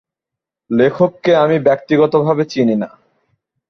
লেখককে আমি ব্যক্তিগতভাবে চিনি না।